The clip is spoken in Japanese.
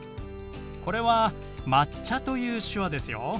これは「抹茶」という手話ですよ。